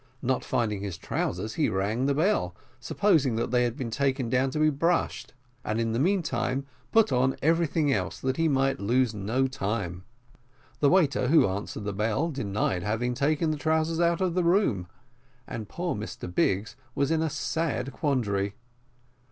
Not finding his trousers, he rang the bell, supposing that they had been taken down to be brushed, and, in the meantime, put on everything else, that he might lose no time: the waiter who answered the bell denied having taken the trousers out of the room, and poor Mr Biggs was in a sad quandary.